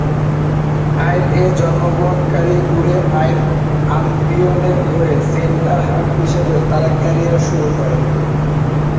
আইর-এ জন্মগ্রহণকারী উরে আইর আলবিয়নের হয়ে centre half হিসেবে তার ক্যারিয়ার শুরু করেন।